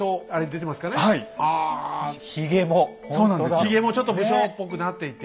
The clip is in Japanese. ひげもちょっと不精っぽくなっていて。